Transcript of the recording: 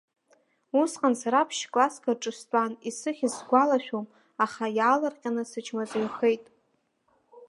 Усҟан сара ԥшь-класск рҿы стәан, исыхьыз сгәалашәом, аха иаалырҟьаны сычмазаҩхеит.